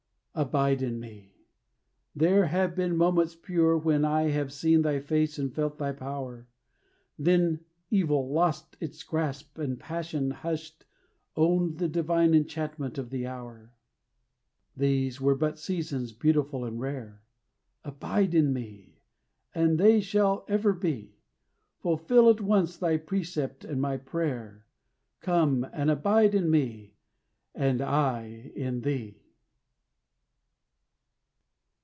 Abide in me; there have been moments pure When I have seen thy face and felt thy power; Then evil lost its grasp, and passion, hushed, Owned the divine enchantment of the hour. These were but seasons beautiful and rare; "Abide in me," and they shall ever be; Fulfil at once thy precept and my prayer Come and abide in me, and I in thee.